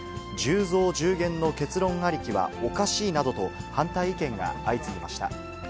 １０増１０減の結論ありきはおかしいなどと、反対意見が相次ぎました。